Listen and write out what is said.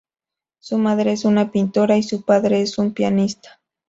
Su madre es una pintora y su padre es un pianista.